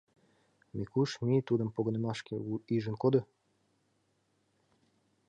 Микуш, мий, тудым погынымашке ӱжын кондо.